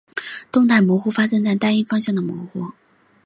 动态模糊发生在单一方向的模糊。